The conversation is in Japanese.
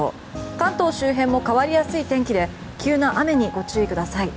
関東周辺も変わりやすい天気で急な雨にご注意ください。